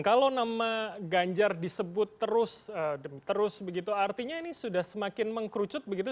kalau nama ganjar disebut terus begitu artinya ini sudah semakin mengkerucut begitu